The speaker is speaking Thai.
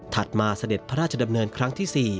มาเสด็จพระราชดำเนินครั้งที่๔